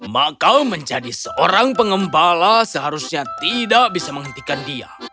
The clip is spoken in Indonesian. maka menjadi seorang pengembala seharusnya tidak bisa menghentikan dia